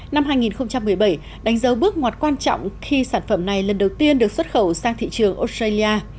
năm hai nghìn một mươi bảy đánh dấu bước ngoặt quan trọng khi sản phẩm này lần đầu tiên được xuất khẩu sang thị trường australia